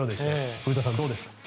古田さん、どうですか？